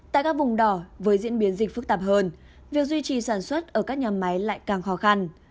tại các vùng đỏ với diễn biến dịch phức tạp hơn việc duy trì sản xuất ở các nhà máy lại càng khó khăn